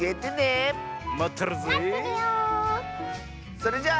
それじゃあ。